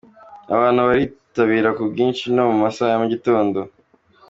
Abantu baritabira ku bwinshi no mu masaha ya mu gitondo.